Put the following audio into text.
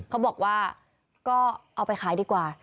เขาบอกว่าก็เอาไปขายดีกว่า